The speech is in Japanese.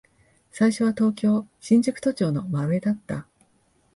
最初は東京、新宿都庁の真上だった。